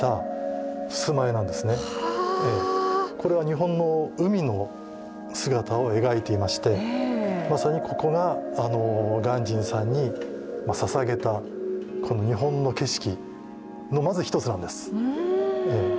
日本の海の姿を描いていましてまさにここが鑑真さんに捧げた日本の景色のまず一つなんです。